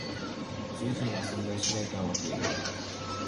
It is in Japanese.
宇宙人は存在しないと思っている。